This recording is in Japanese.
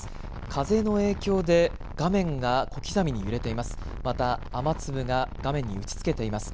風の影響で画面が小刻みに揺れています。